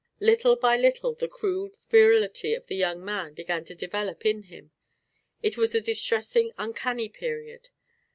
Little by little the crude virility of the young man began to develop in him. It was a distressing, uncanny period.